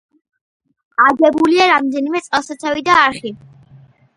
აგებულია რამდენიმე წყალსაცავი და არხი.